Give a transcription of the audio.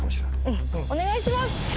うんお願いします！